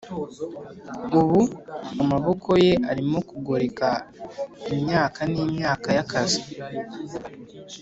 ubu amaboko ye arimo kugoreka imyaka n'imyaka y'akazi,